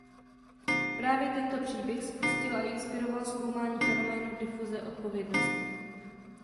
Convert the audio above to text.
Právě tento příběh spustil a inspiroval zkoumání fenoménu difuze odpovědnosti.